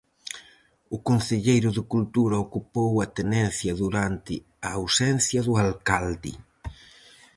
O concelleiro de cultura ocupou a tenencia durante a ausencia do alcalde.